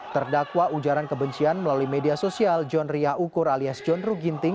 terdakwa ujaran kebencian melalui media sosial john riah ukur alias john ruh ginting